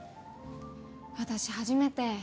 私初めて。